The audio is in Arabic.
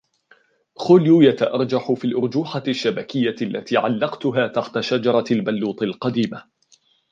خوليو يتأرجح في الأرجوحة الشبكية التي علقتها تحت شجرة البلوط القديمة.